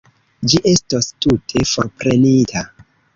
Ĝi estos tute forprenita.